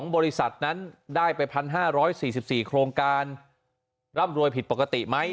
บริษัทนั้นได้ไป๑๕๔๔โครงการร่ำรวยผิดปกติไหม